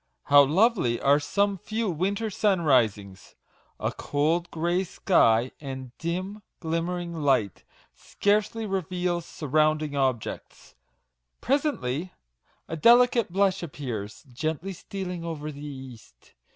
How lovely are some few winter sunrisings ! A cold, grey sky, and dim, glim mering light, scarcely reveals surrounding objects. Presently a delicate blush appears, gently stealing over the east.